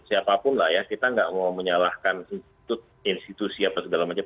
siapapun lah ya kita nggak mau menyalahkan institusi apa segala macam